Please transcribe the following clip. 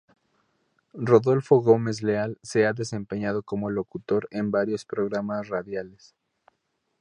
Rodolfo Gómez Leal se ha desempeñado como locutor en varios programas radiales.